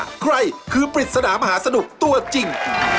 เพื่อค้นหาว่าใครคือปริศนามหาสนุกตัวจริง